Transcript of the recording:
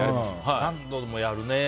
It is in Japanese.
何度もやるね。